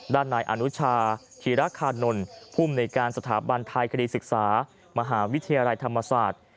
นายอนุชาธีรคานนท์ภูมิในการสถาบันไทยคดีศึกษามหาวิทยาลัยธรรมศาสตร์